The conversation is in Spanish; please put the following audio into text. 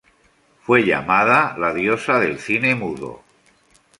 Fue llamada "La diosa del cine mudo".